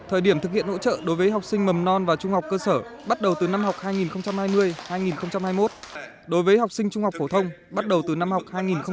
thời điểm thực hiện hỗ trợ đối với học sinh mầm non và trung học cơ sở bắt đầu từ năm học hai nghìn hai mươi hai nghìn hai mươi một đối với học sinh trung học phổ thông bắt đầu từ năm học hai nghìn hai mươi hai nghìn hai mươi một